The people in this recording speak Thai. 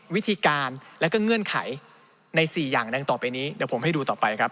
วิธีการและก็เงื่อนไขใน๔อย่างดังต่อไปนี้เดี๋ยวผมให้ดูต่อไปครับ